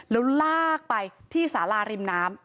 แล้วลากไปที่สาราริมน้ำ